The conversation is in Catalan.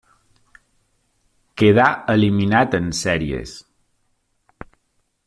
Quedà eliminat en sèries.